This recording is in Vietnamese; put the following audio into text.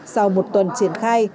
sau một tuần triển khai